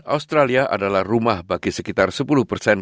australia adalah rumah bagi sekitar sepuluh persen